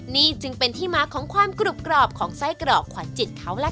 นี่จึงเป็นที่มาของความกรุบกรอบของไส้กรอกขวัญจิตเขาล่ะค่ะ